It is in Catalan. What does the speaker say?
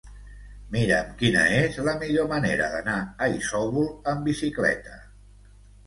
Mira'm quina és la millor manera d'anar a Isòvol amb bicicleta.